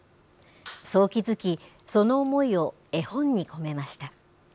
そう気付き、その思いを絵本に込めました。